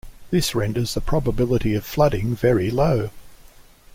This renders the probability of flooding very low.